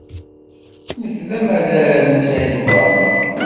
Nekk d amalal n Saɛid Waɛmaṛ.